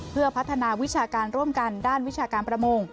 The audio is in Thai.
เพื่อพัฒนาวิชาการร่วมกันด้านวิชาการประมง